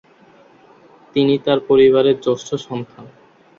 তিনি তার পরিবারের জ্যেষ্ঠ সন্তান।